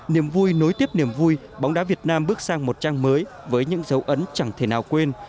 niềm vui nối tiếp niềm vui bóng đá việt nam bước sang một trang mới với những dấu ấn chẳng thể nào quên